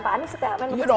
pak anies suka main petasan